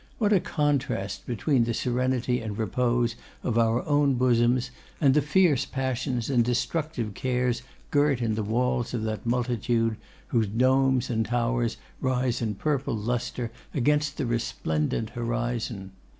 What a contrast between the serenity and repose of our own bosoms and the fierce passions and destructive cares girt in the walls of that multitude whose domes and towers rise in purple lustre against the resplendent horizon!